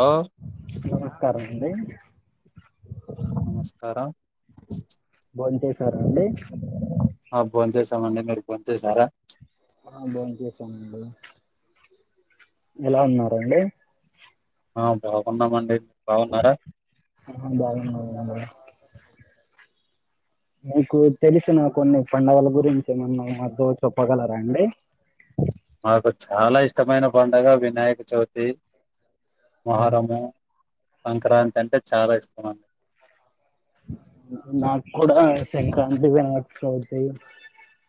ఆహ్ స్తారండి నమస్కారం బోన్ చేసార అండి ఆ బోన్ చేసమండి మీరు బోన్ చేసారా ఆ బోన్ చేసామండి ఎలా ఉన్నారండి ఆ బాగున్నామండి బాగున్నారా ఆ బాగున్నానండి మీకు తెలిసిన కొన్ని పండగల గురించి ఎమన్న మాతో చెప్పగలరా అండి మాకు చాలా ఇష్టమైన పండగ వినాయక చవితి మాహరము సంక్రాంతంటే చాలా ఇష్టమం మాక్ కూడా సంక్రాంతి, వినాయక చవితి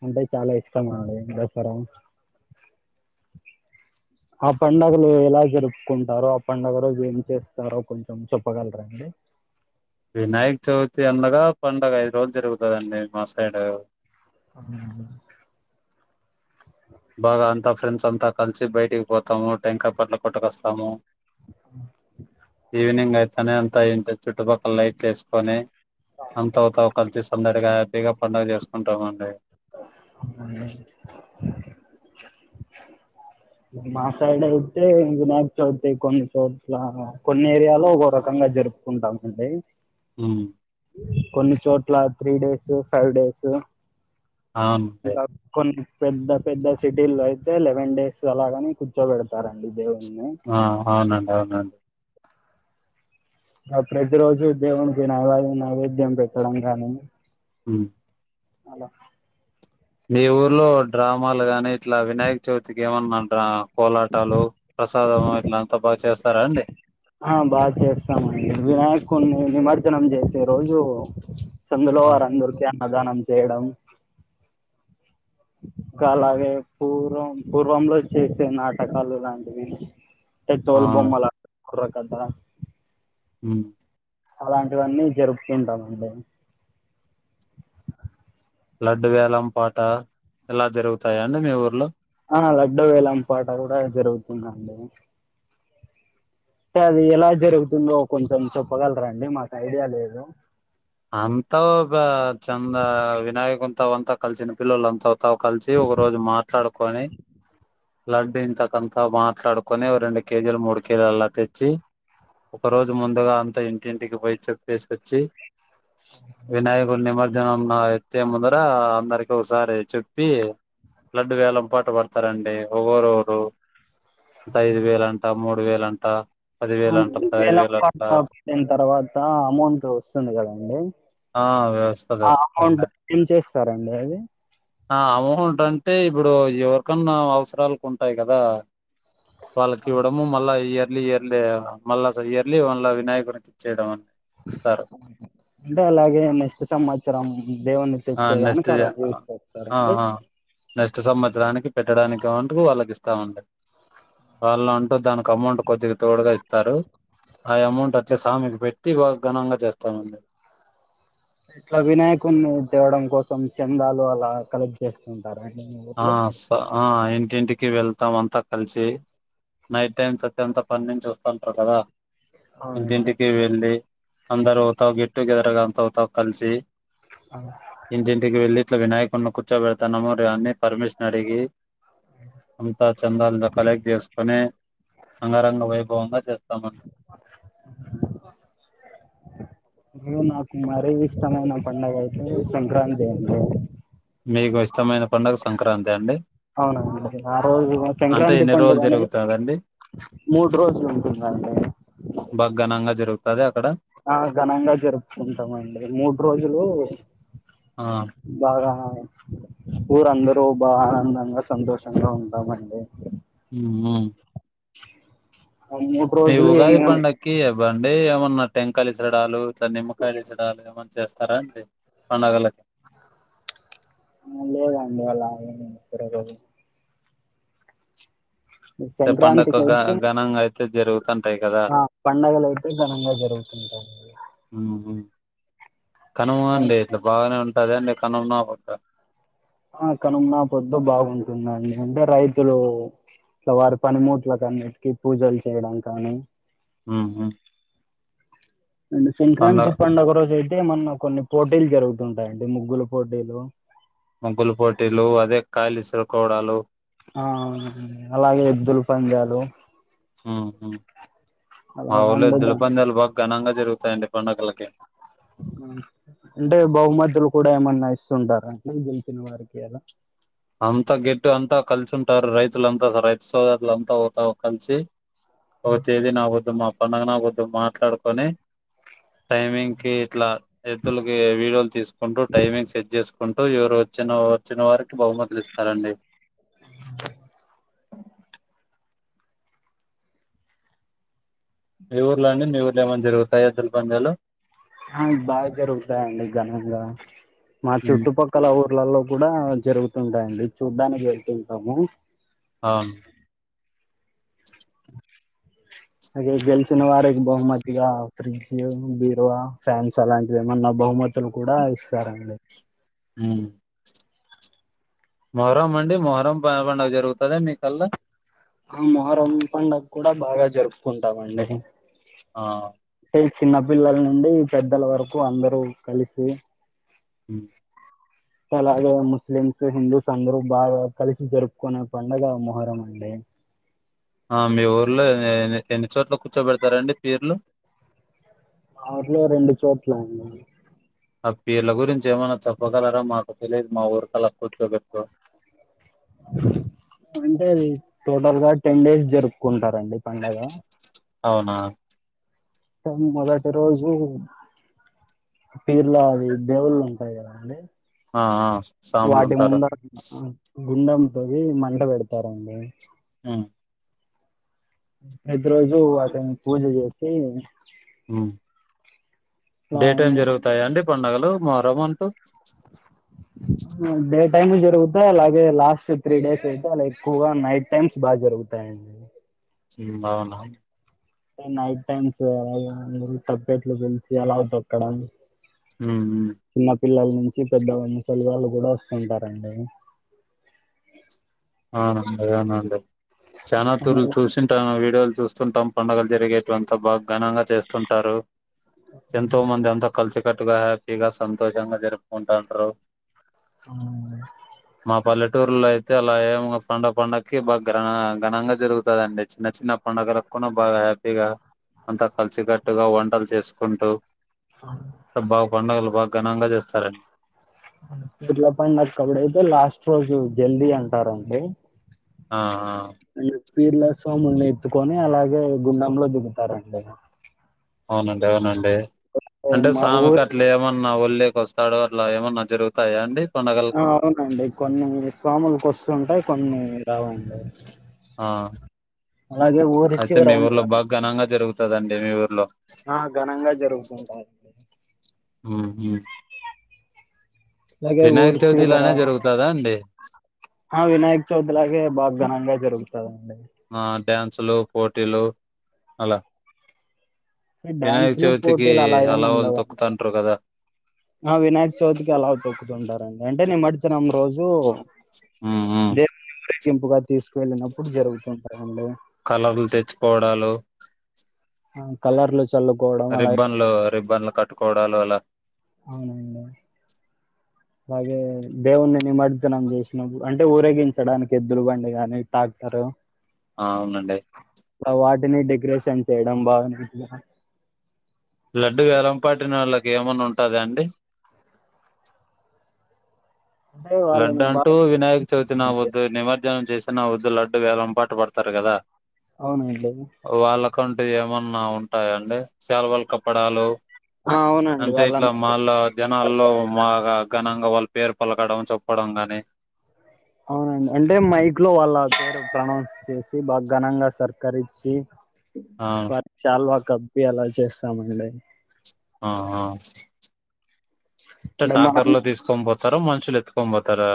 అంటే చాలా ఇష్టం అండి. దసరా ఆ పండుగలు ఎలా జరుపుకుంటారో, ఆ పండుగ రోజు ఏం చేస్తారో కొంచెం చెప్పగలరాండి. వినాయక్ చవితి అనగా పండగ ఐదు రోజులు జరుగుతదండి మాసైడ్ బాగా అంతా ఫ్రెండ్స్ అంతా కలిసి బయటికి పోతాము. టెంకా పట్ల కొట్టుకొస్తాము. ఈవినింగ్ అయితనే అంత అయ్యియుంటది చుట్టుపక్కల లైట్లు లేసుకొని [unintelligible] కలిసి సందడిగా ఇగా పండుగ చేసుకుంటామండి. మా సైడ్ అయితే వినాయక చవితీ కొన్ని చోట్ల, కొన్ని ఏరియాల్లో ఒక రకంగా జరుపుకుంటామండి. హ్మ్ కొన్నిచోట్ల త్రీ డేస్, ఫైవ్ డేస్ అవునండి ఇగ కొన్నీ పెద్ద పెద్ద సిటీల్లో అయితే లెవెన్ డేస్ అలాగాని కూర్చోబెడతారండి. దేవున్ని ఆ అవునండి అవునండి ప్రతి రోజు దేవునికి నైవద్యం నైవేద్యం పెట్టడం కాని హ్మ్ హలో మీ ఊర్లో డ్రామాలు గాని ఇట్లా వినాయక చవితికేమన్నా డ్రా కోలటాలు ప్రసాదమో ఇట్లా అంతా బాగా చేస్తారాండి ఆ బాగా చేస్తామండి. వినాయకున్ని నిమర్జానం చేసే రోజు సందులో అవును [unintelligible] అన్నదానం చేయడం, ఇంకా అలాగే పూర్వం పూర్వంలో చేసే నాటకాలు ఇలాంటివి. ఎ ఆ తోలు బొమ్మలాట బుర్రకథ హ్మ్ అలాంటివన్నీ జరుపుతుంటామండి. లడ్డు వేలం పాట ఇలా జరుగుతాయా అండి. మీ ఊర్లో ఆ లడ్డు వేలాం పాట కూడా జరుగుతుందండి. అంటే అది ఎలా జరుగుతుందో కొంచెం చెప్పగలరాండి. మాకు ఐడియా లేదు అంతా తవంత కలిసిన పిల్లల్ అంతా త కలిసి ఒక రోజు మాట్లాడుకొని లడ్డు ఇంతకంత మాట్లాడుకొని ఓ రెండు కేజీలు మూడు కేజీలలా తెచ్చి ఒకరోజు ముందుగా అంత ఇంటింటికి పోయ చెప్పేసొచ్చి వినాయకునిమజ్ జనంన ఎత్తే ముందర అందరికి ఒకసారి చెప్పి లడ్డు వేలం పాట పడతారండి ఒగోరొగరు ఐదు వేలంటా మూడ్ వేలంటా అవునండి వేలం పాట పాడిన తర్వాత అమౌంట్ వస్తుంది కదన్ ఆ వస్తది ఆ అమౌంట్ వస్తదండి ఏ చేస్తారండి అది ఆ అమౌంట్ అంటే ఇప్పుడు ఎవరికన్నా అవసరాలకు ఉంటాయి కదా వాళ్ళకి ఆ! ఇవ్వడము మళ్ళా ఇయర్ ఇలీ ఇయర్లీ మళ్ళాస ఇయర్లీ మళ్ళ వినాయకునికి ఇచ్చయడం అ అంటే అలాగే నెస్ట్ సంవత్సరం దేవుని ఆ నెక్స్ట్ తెచ్చేదానికి ఆ డబ్బు యూస్ ఆ చేస్తారండీ ఆ ఇస్తా ఉండె వాళ్ళు అంటూ దానికి అమౌంట్ కొద్దిగా తోడుగా ఇస్త స్తారు ఆ అమౌంట్ అట్లే సామి వ్యక్తి బా ఘనంగా జేస్త్ స్తానడి ఇట్లా వినాయకుడిని తేవడం కోసం చెందాలు అలా కలెక్ట్ చేస్ ఆ స ఆ ఏం ఇంటింటికి వెళ్తాం అంతా కలిసి నైట్ టైమ్స్ అతంత పని నుంచి వస్త స్తంటారు కదా అవునండి ఇంటింటికి వెళ్ళి అందరొవతావ గెట్టుగెదర్గ అంతావుతా కలిసి ఆ! ఇంటింటికి వెళ్ళి ఇట్ల వినాయకుడిని కూర్చోబెడుతున్నాము ఇ అన్నీ పర్మిషన్ అడిగి అంతా చందాలతో కలెక్ట్ చేసుకుని అంగరంగ వైభవంగా చేస్తామం ఇంగ నాకు మరీ ఇష్టమైన పండుగ అయితే సంక్రాంతి అండి మీకు ఇష్టమైన పండగ సంక్రాంతా అండి అవునడి ఆ రోజు అంటే సంక్రాంతి ఎన్ని పండుగ రోజులు అనే జరుగుతదండి మూడు రోజులు ఉంటుందండి బాగ ఘనంగా జరుగుతది అక్కడ ఆ ఘనంగా జరుపుకుంటమ్ అండి మూడు రోజులు ఆ బాగా ఊరందరూ బా ఆనందంగా సంతోషంగా ఉంటామండి ఊ ఉ మూడు రోజులు ఏమి అని బండి ఏమన్నా టెంకాయలు ఇసరడాలు ఇట్లా నిమ్మకాయలు ఇసరడాలు ఏమన్నా చేస్తారా అండి పండగలకి ఆ లేదండి అలా ఏం జరగదు అంటే పండగ సంక్రాంతికి ఘ అయితే ఘనంగా అయితే జరుగుతుంటాయి కదా ఆ పండగలయితే ఘనంగా జరుగుతుంటాయి. ఉహు కనుమ సం- అండి ఇట్లా బాగానే ఉంటు అదే అండి కనం నా పోద్ద ఆ కనుమ నా పొద్దు బాగుంటుందండి అంటే రైతులు ఇట్ల వారి పనిమూట్లలకు అన్నిటికీ పూజలు చేయడం కానీ ఊహు అంటె సంక్రాంతి పండుగ రోజేతె అయితే మన్న కొన్ని పోటీలు జరుగుతుంటాయండి ముగ్గుల పోటీలు ముగ్గులు పోటీలు అదే కాయలిసురుకోడాలు ఆ అవున అలాగే ఎద్దుల్ పందాలు ఊహు అలా మా ఊళ్ల అండ్ దా ఎద్దులపందాలు బాగా ఘనంగా జరుగుతయి తాయండి పండగలకి హు అంటే బహుమతులు కూడా ఏమన్నా ఇస్తుంటార అండి గెలిచిన వారికి అలా అంతా గెట్టు అంతా కలిసి ఉంటారు రైతులంతాస రైతు సోదరులు అంతా వోతావు కలిసి ఓతేేది నాపోద్దు మా పండగ నా పోద్దు మాట్లాడుకొని టైమింగ్ కి ఇట్లా ఎద్దులకి వీడియోలు తీసుకుంటూ టైమింగ్ సెట్ చేసుకు కుంటూ ఎవరు వచ్చిన వచ్చిన వారికి బహుమతులు ఇస్తారండి. మీ ఊర్లో అండి మీ ఊర్లో ఏమన్నా జరుగుతాయా ఎద్దుల్ పందాలు ఆ బాగా జరుగుతాయండి ఘనంగా మా హ్మ్. చుట్టుపక్కల ఊర్లలో కూడా జరుగుత తుంటాయండి చూడ్డానికి వెళ్తుంటాము. అవును ఇగ గెలిచిన వారికి బహుమతిగా ఫ్రిడ్జ్ బీరువా ఫ్యాన్స్ అలాంటివి ఏమన్నా బహుమతులు కూడా ఇస్తారండి. ఊ మొహరం అండి మొహరం పం పండుగ జరుగుతుదా మీకల్లా ఆ మొహరం పండుగ కూడా బాగా జరుపుకుంటామండి. ఆ చిన్న పిల్లల నుండి పెద్దల వరకు అందరూ కలిసి ఊ అలాగే ముస్లిమ్స్ హిందూస్ అందరూ బాగా కలిసి జరుపుకునే పండుగ మొహరం అండి. ఆ మీ ఊర్లో ఎన్ ఎన్ని చోట్ల కూర్చోబెడతారండి పీర్లు మా వూర్లో రెండు చోట్ల అండి ఆ పీర్ల గురించి ఏమైనా చెప్పగలరా మాకు తెలియదు మా ఊర్లల్లో కూర్చోబెట్టరు. అంటే ఇది టోటల్గా టెన్ డేస్ జరుపుకుంటారండి పండగ అవునా ఇక మొదటి రోజు పీర్ల అది దేవుళ్ళు ఉంటాయి కదండీ ఆ ఆ సాములు వాటి ఉంటారు ముందరన గుండం తవ్వి మంట పెడతారండి. ఆ. ప్రతి రోజు వాటిని పూజ చేసి ఊ ఇట్లా డే టైమ్ అండి జరుగుతాయా అండి పండగలు మార వంటూ ఆ డై టైము జరుగుతా అలాగే లాస్ట్ త్రీ డేస్ అయితే అలా ఎక్కువ నైట్ టైమ్స్ బాగా జరుగుతాయండి సీన్ బావున్నా నైట్ టైమ్స్ అలాగే అందరూ తప్పేట్లు [unintelligible] పెట్టీ అల్లావ్ తొక్కడం మ్మ్ చిన్న పిల్లల నుంచి పెద్దవాళ్ళు ముసలి వాళ్లు కూడా వస్తుంటారండే అవునండి అవునండి చానా తూర్లు చూసింటాము ఆ వీడియోలు చూస్తుంటాం పండగలు జరిగేటివి అంతా బాగ్ ఘనంగా చేస్తుంటారు ఎంతో మంది అంత కలిసికట్టుగా హ్యాపీగా సంతోషంగా జరుపుకుంటాండ్రు ఆ, మా పల్లె టూరుల్లో అయితే అలా ఏం మ్మ్ పండగ పండక్కి బగ్రా ఘనంగ జరుగుతాదండి చిన్న చిన్న పండగలకు కూడా బాగా హ్యాపీగా అంత కలిసికట్టుగా వంటలు చేసుకుంటూ బౌ పండగలు బాగ్ ఘనంగా చేస్తారం పీర్ల పండకప్పుడైతే లాస్ట్ రోజు జల్దీ అంటారండి ఆ ఆ ఈ పీర్ల స్వాముల్ని ఎత్తుకొనీ అలాగే గుండంలో దిగుతారండి అవునండె అవునండే ఏ, అంటే మా సామికి ఊరు అట్ల ఏమన్ మా ఊల్లోకి వస్తాడు అట్లా ఏమన్నా జరుగుతాయా అండి ఆ పండగలకి అవునండి కొన్ని ఫాములకి వస్తుంటాయ్ కొన్నీ రావండే ఆ ఊరి అయితే చివర మీ ఉన్న ఊర్లో బా ఘనంగా జరుగుతాదం ఏవేవి ఊర్లో ఆ ఘనంగా జరుగుతుంటాయ్ మ్మ్ మ్మ్ అలాగే వినాయకి ఊరి చవితి లానే జరుగుతాదా అండి అ హ వినాయక్ చవితి లాగే బా ఘనంగా జరుగుతాదండే ఆ డ్యాన్సులు పోటీలు అలా వినాయక డ్యాన్సులు చవితికి పోటీలు అలా ఏమి హలావలు ఉండవండి తొక్కుతంటారు కదా ఆ వినాయకచవితికి అలా తొక్కుతుంటారండి అంటే నిమర్జనం రోజు హ్మ్. హ్మ్. సింపుగా కలర్లు తెచ్చుకోవడాలు చ కలర్ లో రిబ్బన్లు రిబ్బన్లు కట్టు కోడలు అలా అవునండి అలాగే దేవుణ్ణి నిమజ్జనం చేసిన అంటే ఊరేగించడానికి ఎద్దులు బండి కాని టాక్టరు ఆ అవునండి తానే డెకరేషన్ చేయడం బాగునే లడ్డు వేలం పట్టిన వాళ్ళకి ఏమన్నా ఉంటుందండి అంటే లడ్డ వాళ్ళని అంటూ బాగా వినాయక చవితిన వద్దు నిమజ్జనం చేసి వద్దు లడ్డు వేలం పాటు పడతారు కదా అవును ఇడిది ఇ ఏమన్నా ఉంటాయండి సెల్వల్ కప్పడాలు ఆ అవునండి అంటే వాళ్ళని ఇట్లా మాలో జనాల్లో బగా ఘనంగా వాళ్ళ పేరు పలకడం పడంగానే అవునండి అంటే మైక్ లో వాళ్ళ పేరు ప్రనౌన్స్ చేస్తే బాగా ఘనంగా సత్కరి ఇచ్చి ఆ బస్ చాలు వ కప్పి అలా చేస్తామండి ఆ అ తే మనం టాక్టర్ లో తీసుకోని పో తాను మనుషులు ఎత్తుకొని పోతారా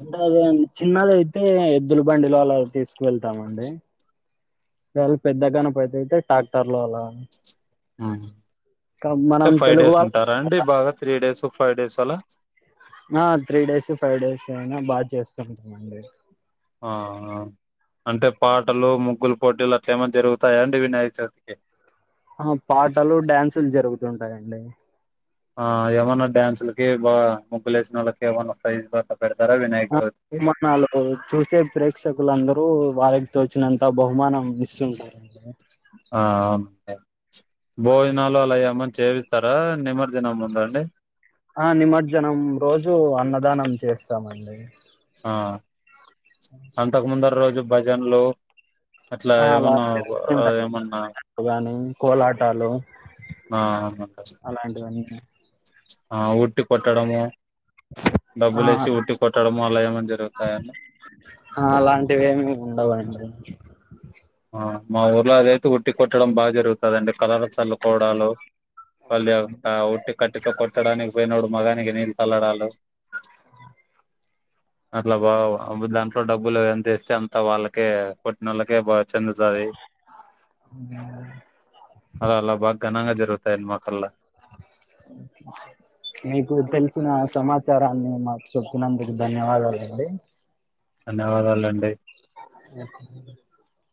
అంటే అదేం చిన్నదైతే ఎద్దుల బండిలో అలా తీసుకువెళ్తామండి ఇళ పెద్ద కనపతేయితే ట్రాక్టర్ లో అలా ఇంకా మనం ఫైవ్ తెలుగు డేస్ వాళ్ళ ఉంటారా అండి బాగా త్రీ డేస్ ఫైవ్ డేస్ అలా ఆ త్రీ డేస్ ఫైవ్ డేస్ అయినా బాగా చేసుకుంటామండి ఆ అంటే పాటలు ముగ్గులు పోటీలు అట్లే ఏమనా జరుగుతాయా అండి వినాయక చవితికి ఆ పాటలు డ్యాన్సులు జరుగుతుంటాయండి ఆ ఏమన్నా డ్యాన్సులకి బాగా ముగ్గులు లేచిన వాళ్ళకి ఏమన్న ప్రైజులు అట్లా పెడతారా వినాయక చవితికి ఉన్న నాలు నాలుగు చూసే ప్రేక్షకులందరూ వాళ్ళకి వచ్చినంత బహుమానం మిస్ ఉంటది ఆ అవును అండీ [inaudible] భోజనాలు అలా ఏమన్నా చేవిస్త ఇస్తారా నిమర్జనం ముందు ఆ అండి ఆ నిమజ్జనం రోజూ అన్నదానం చేస్తామండి అలాగే ఆ అంతకు ముందర రోజు భజన్ లో అట్లా ఆ అలా ఏమన్నా జరుగుతుంటాయి ఏమన్నా గాని కోలాటాలు ఆ అలాంటివన్నీ ఆ ఉట్టి కొట్టడము ఆ డబ్బులు వేసి ఉట్టి కొట్టడము అలా ఏమన్నా జరుగుతాయండి ఆ అలాంటివేమి ఉండవండి ఆ మా ఊర్లో అదైతే ఉట్టి కొట్టడం బాగా జరుపుతారాడి కలర్ చల్లుకోవడాలు [unintelligible] ఉటి కట్టతో కోటడానిక్ పోయినోడు మగానికి నీళ్ళు తల్లడాలు అట్లా బా దాంట్లో డబ్బులు ఎంతస్తే అంత వాళ్ళకే పుట్టిన వాళ్ళకే బా చెందుతాయి అలా బాగ ఘనంగా జరుగుతాయండి మా పిల్ల విచారాన్ని మాకు చెప్పిననందుకు ధన్యవాదాలు అండి ధన్యవాదాలు అండి అ